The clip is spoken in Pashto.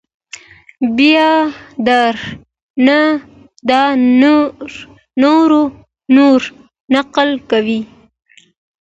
بیا در نه دا نور نقل کوي!